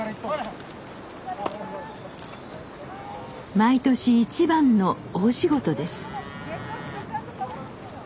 毎年一番の大仕事です。